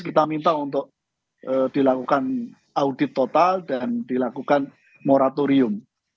kita minta untuk dilakukan audit total dan dilakukan moratorium